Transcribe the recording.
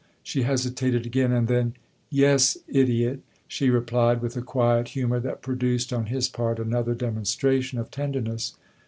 She hesitated again, and then, " Yes idiot !" she replied with a quiet humour that produced, on his part, another demonstration of tenderness.